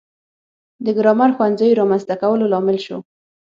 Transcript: د ګرامر ښوونځیو رامنځته کولو لامل شو.